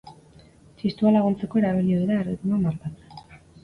Txistua laguntzeko erabili ohi da, erritmoa markatzen.